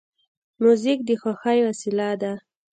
موزیک د خوښۍ وسیله ده.